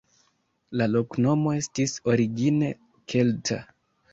La loknomo estis origine kelta.